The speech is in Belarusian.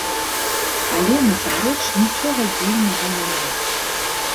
Але насамрэч нічога дзіўнага няма.